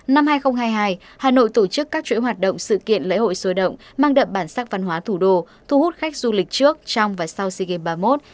năm hai nghìn hai mươi hai hà nội tổ chức các chuỗi hoạt động sự kiện lễ hội sôi động mang đậm bản sắc văn hóa thủ đô thu hút khách du lịch trước trong và sau sea games ba mươi một